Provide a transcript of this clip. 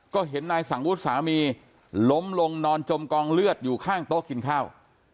ก็เห็นนายสังวุฒิสามีล้มลงนอนจมกองเลือดอยู่ข้างโต๊ะกินข้าว